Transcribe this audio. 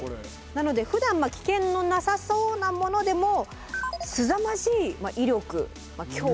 なのでふだん危険のなさそうなものでもすさまじい威力脅威。